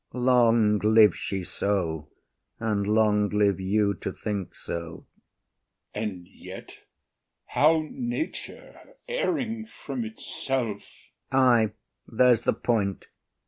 IAGO. Long live she so! And long live you to think so! OTHELLO. And yet, how nature erring from itself— IAGO. Ay, there’s the point.